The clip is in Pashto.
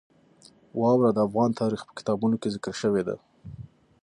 واوره د افغان تاریخ په کتابونو کې ذکر شوې ده.